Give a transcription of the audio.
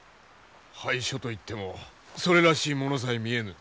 配所といってもそれらしいものさえ見えぬ。